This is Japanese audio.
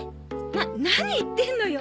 な何言ってんのよ。